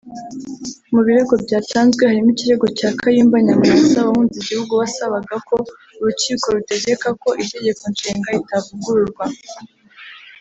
Mu birego byatanzwe harimo ikirego cya Kayumba Nyamwasa wahunze igihugu wasabaga ko urukiko rutegeka ko Itegeko Nshinga ritavugururwa